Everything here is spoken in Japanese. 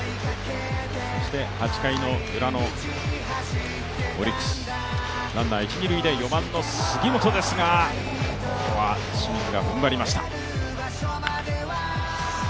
そして８回のウラのオリックスランナー一・二塁で４番の杉本ですが、清水がふんばりました。